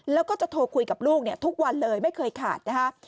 แล้วก็จะโทรคุยกับลูกทุกวันเลยไม่เคยขาดนะฮะ